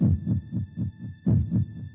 dan saat kamu di ruang masalah rehat